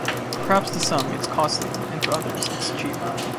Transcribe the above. Perhaps to some its costly and to others it’s cheap.